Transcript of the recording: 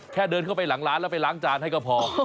เดินเข้าไปหลังร้านแล้วไปล้างจานให้ก็พอ